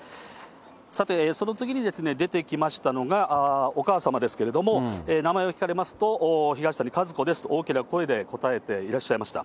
さて、その次にですね、出てきましたのがお母様ですけれども、名前を聞かれますと、東谷かずこですと、大きな声で答えていらっしゃいました。